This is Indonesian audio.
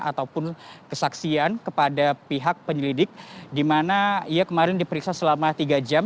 ataupun kesaksian kepada pihak penyelidik di mana ia kemarin diperiksa selama tiga jam